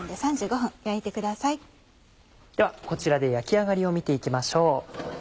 ではこちらで焼き上がりを見て行きましょう。